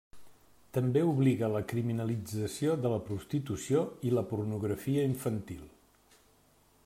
També obliga a la criminalització de la prostitució i la pornografia infantil.